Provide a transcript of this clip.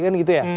kan gitu ya